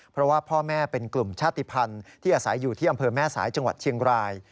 เพราะว่าพ่อแม่เป็นกลุ่มชาติภัณฑ์ที่อาศัยอยู่ที่อำเภอแม่สายจังหวัดเชียงราย